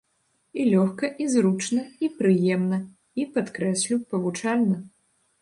І лёгка, і зручна, і прыемна, і, падкрэслю, павучальна.